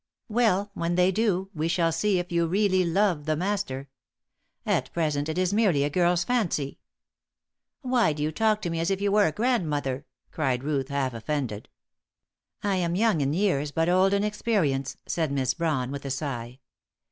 Well, when they do, we shall see if you really love the Master. At present it is merely a girl's fancy." "Why do you talk to me as if you were a grandmother?" cried Ruth, half offended. "I am young a years but old in experience," said Miss Brawn, with a sigh.